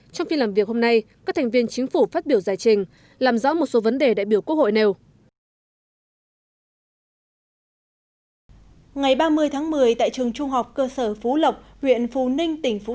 trong phiên làm việc hôm nay các thành viên chính phủ phát biểu giải trình làm rõ một số vấn đề đại biểu quốc hội nêu